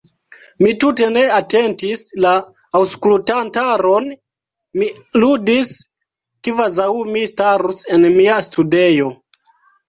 Mi tute ne atentis la aŭskultantaron; mi ludis, kvazaŭ mi starus en mia studejo.